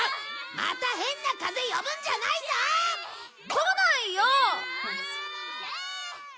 また変な風呼ぶんじゃないぞ！来ないよ！